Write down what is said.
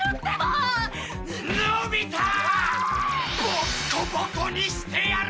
ボッコボコにしてやる！